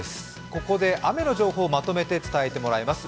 ここで雨の情報をまとめて伝えてもらいます。